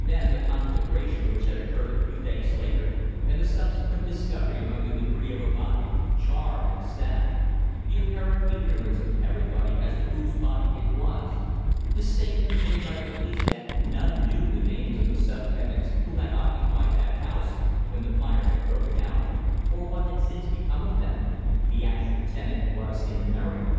Then the conflagration which had occurred a few days later, and the subsequent discovery among the débris of a body, charred and stabbed; the apparent ignorance of everybody as to whose body it was; the statement made by the police that none knew the names of the sub tenants who had occupied that house when the fire had broken out, or what had since become of them the actual tenant was in America.